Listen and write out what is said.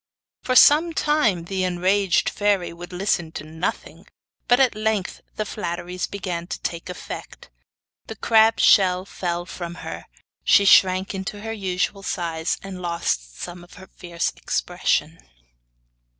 For some time the enraged fairy would listen to nothing; but at length the flatteries began to take effect. The crab's shell fell from her, she shrank into her usual size, and lost some of her fierce expression.